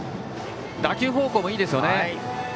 打球方向もいいですね。